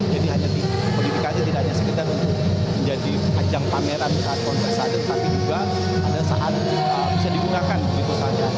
jadi hanya di modifikasi tidak hanya sekedar menjadi ajang pameran saat kontes adat tapi juga ada saat bisa digunakan begitu saja